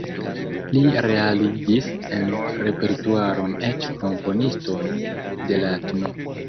Li realigis en repertuaron eĉ komponiston de la tn.